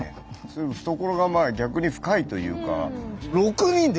懐がまあ逆に深いというか。